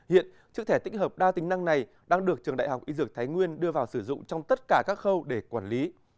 hiện chiếc thẻ tích hợp đa tính năng này đang được trường đại học y dược thái nguyên đưa vào sử dụng trong tất cả các khâu để quản lý